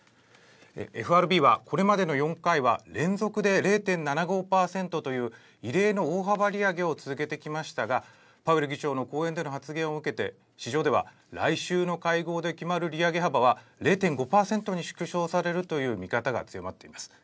ＦＲＢは、これまでの４回は連続で０．７５％という異例の大幅利上げを続けてきましたがパウエル議長の講演での発言を受けて市場では来週の会合で決まる利上げ幅は０．５％に縮小されるという見方が強まっています。